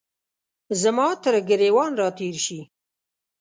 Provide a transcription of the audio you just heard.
زما ترګریوان را تیر شي